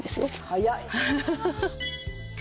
早い！